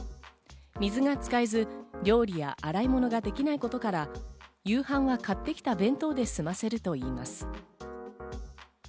水が使えず料理や洗い物ができないことから、夕飯は買ってきた弁当で済ませるといいます。